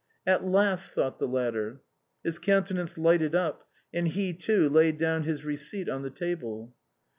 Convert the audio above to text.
" At last," thought the latter. His countenance lighted up, and he too laid down his receipt on the table.